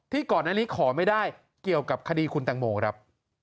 ก่อนอันนี้ขอไม่ได้เกี่ยวกับคดีคุณตังโมครับ